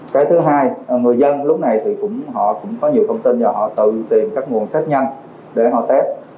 cái thứ hai người dân lúc này thì họ cũng có nhiều thông tin và họ tự tìm các nguồn test nhanh để họ test